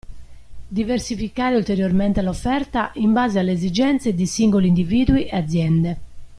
Diversificare ulteriormente l'offerta in base alle esigenze di singoli individui e aziende.